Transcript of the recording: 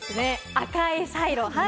赤いサイロね。